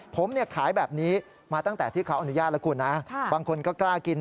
ผมเนี่ยขายแบบนี้มาตั้งแต่ที่เขาอนุญาตแล้วคุณนะบางคนก็กล้ากิน